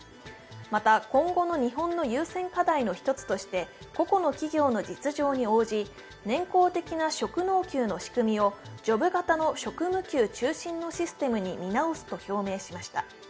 また、今後の日本の優先課題の一つとして個々の企業の実情に応じ年功的な職能給の仕組みをジョブ型の職務給中心のシステムに見直すと表明しました。